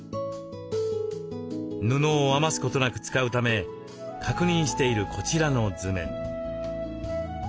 布を余すことなく使うため確認しているこちらの図面。